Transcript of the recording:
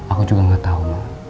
aku juga nggak tahu